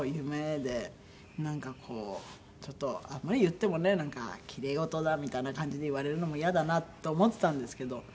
夢でなんかこうちょっとあんまり言ってもねなんかきれい事だみたいな感じで言われるのもイヤだなと思ってたんですけど